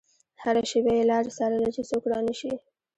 هره شېبه يې لارې څارلې چې څوک رانشي.